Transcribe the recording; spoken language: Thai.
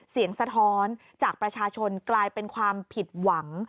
สะท้อนจากประชาชนกลายเป็นความผิดหวัง